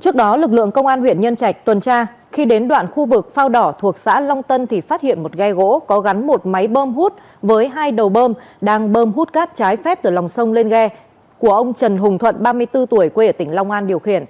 trước đó lực lượng công an huyện nhân trạch tuần tra khi đến đoạn khu vực phao đỏ thuộc xã long tân thì phát hiện một ghe gỗ có gắn một máy bơm hút với hai đầu bơm đang bơm hút cát trái phép từ lòng sông lên ghe của ông trần hùng thuận ba mươi bốn tuổi quê ở tỉnh long an điều khiển